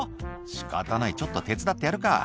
「仕方ないちょっと手伝ってやるか」